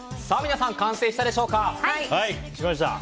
皆さん、完成したでしょうか？